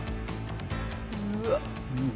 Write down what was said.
うわっ。